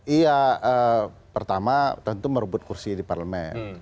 iya pertama tentu merebut kursi di parlemen